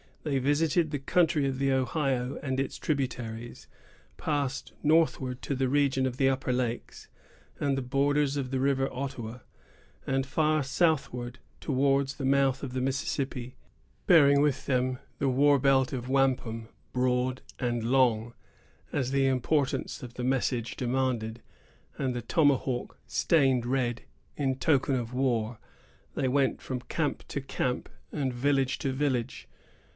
They visited the country of the Ohio and its tributaries, passed northward to the region of the upper lakes, and the borders of the river Ottawa; and far southward towards the mouth of the Mississippi. Bearing with them the war belt of wampum, broad and long, as the importance of the message demanded, and the tomahawk stained red, in token of war, they went from camp to camp, and village to village.